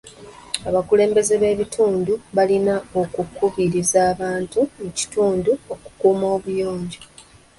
Abakulembeze b'ebitundu balina okukubiriza abantu mu kitundu okukuuma obuyonjo.